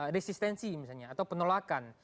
resistensi misalnya atau penolakan